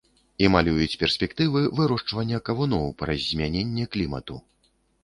І малююць перспектывы вырошчвання кавуноў, праз змяненне клімату.